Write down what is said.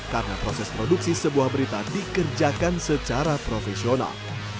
karena proses produksi sebuah berita dikerjakan secara profesional